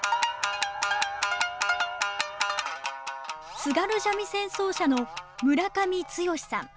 津軽三味線奏者の村上豪さん。